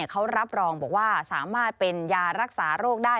เขารับรองบอกว่าสามารถเป็นยารักษาโรคได้